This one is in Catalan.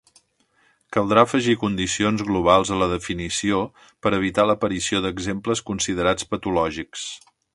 Caldrà afegir condicions globals a la definició per evitar l'aparició d'exemples considerats patològics.